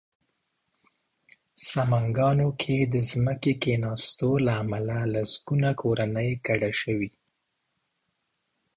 سمنګانو کې د ځمکې کېناستو له امله لسګونه کورنۍ کډه شوې